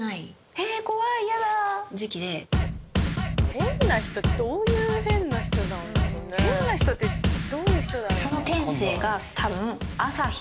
変な人ってどういう変な人なんでしょうね。